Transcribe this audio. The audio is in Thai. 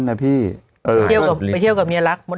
นะพี่ไปเที่ยวกับเมียรัก